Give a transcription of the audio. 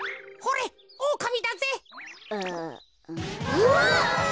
うわっ。